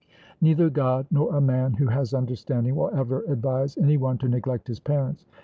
Neither God, nor a man who has understanding, will ever advise any one to neglect his parents.